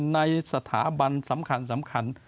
ในสถาบันสำคัญ